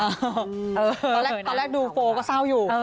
ตอนแรกดูโฟลก็เศร้าอยู่